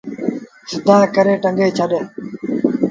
سڌآ ڪري ٽنگي ڇڏ۔